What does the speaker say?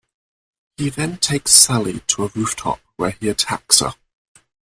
He then takes Sally to a rooftop where he attacks her.